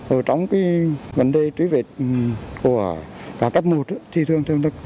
ở trong cái vấn đề truy vết của cả cấp một thì thường thường